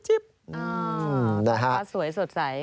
ท้องฟ้าสวยสดใส